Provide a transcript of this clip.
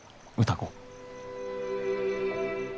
歌子。